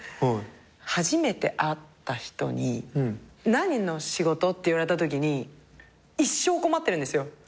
初めて会った人に何の仕事？って言われたときに一生困ってるんですよ。